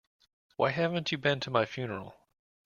Why haven't you been to my funeral?